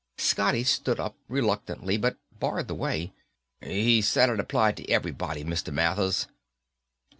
Scotty stood up, reluctantly, but barred the way. "He said it applied to everybody, Mr. Mathers."